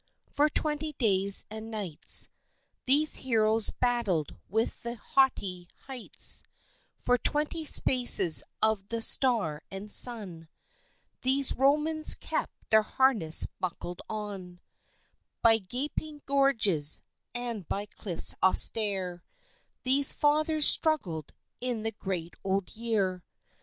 For twenty days and nights These heroes battled with the haughty heights; For twenty spaces of the star and sun These Romans kept their harness buckled on; By gaping gorges, and by cliffs austere, These fathers struggled in the great old year.